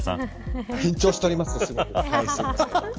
私、緊張しております。